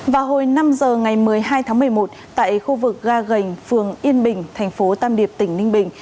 vào hồi năm h ngày một mươi hai tháng một mươi một tại khu vực ga gành phường yên bình tp tam điệp tỉnh ninh bình